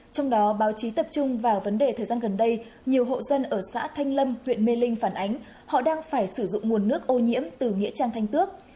trong đó báo chí tập trung vào vấn đề thời gian gần đây nhiều hộ dân ở xã thanh lâm huyện mê linh phản ánh họ đang phải sử dụng nguồn nước ô nhiễm từ nghĩa trang thanh tước